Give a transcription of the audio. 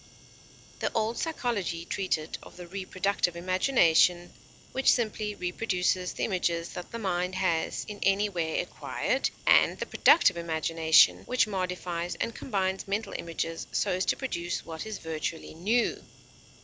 The old psychology treated of the Reproductive Imagination, which simply reproduces the images that the mind has in any way acquired, and the Productive Imagination which modifies and combines mental images so as to produce what is virtually new.